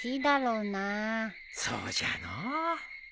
そうじゃのう。